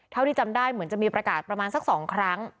เท่าที่จำได้เหมือนจะมีประกาศประมาณสัก๒ครั้ง